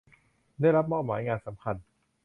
ได้รับมอบหมายงานสำคัญ